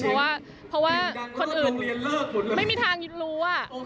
เพราะว่าคนอื่นไม่มีทางรู้อ่ะ